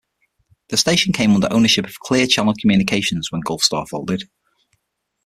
The station came under ownership of Clear Channel Communications when Gulfstar folded.